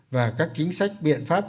và các chính sách biện pháp